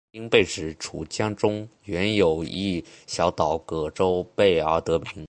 因坝址处江中原有一小岛葛洲坝而得名。